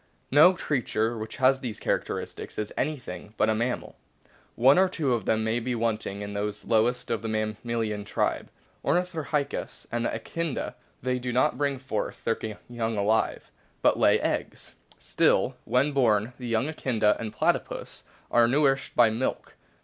No creature which has these characteristics is anything but a mammal. One or two of them are wanting o in those lowest of the mammalian tribe the Orni thorhynchus and Echidna ; they do not bring forth their young alive, but lay eggs ; still, when born the young Echidna and Platypus are nourished by milk.